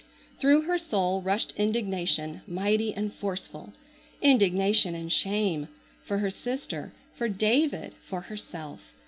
Through her soul rushed indignation, mighty and forceful; indignation and shame, for her sister, for David, for herself.